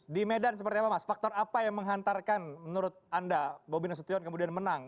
di medan seperti apa mas faktor apa yang menghantarkan menurut anda bobi nasution kemudian menang